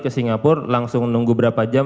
ke singapura langsung nunggu berapa jam